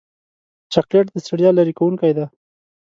چاکلېټ د ستړیا لرې کوونکی دی.